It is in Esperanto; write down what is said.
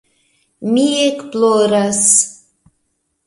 Mi ekploras.